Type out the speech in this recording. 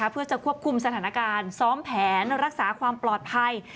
เพื่อจะควบคุมสถานการณ์ซ้อมแผนรักษาความปลอดภัย